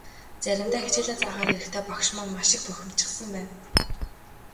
Заримдаа хичээлээ заахаар ирэхдээ багш маань маш их бухимдчихсан байна.